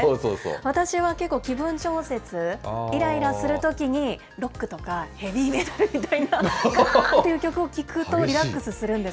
私は結構、気分調節、いらいらするときに、ロックとか、ヘビーメタルみたいな曲を聴くと、リラックスするんです。